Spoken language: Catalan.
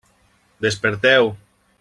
Desperteu!